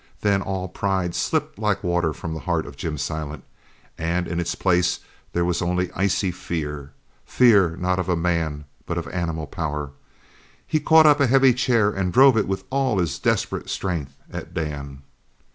Then all pride slipped like water from the heart of Jim Silent, and in its place there was only icy fear, fear not of a man, but of animal power. He caught up a heavy chair and drove it with all his desperate strength at Dan.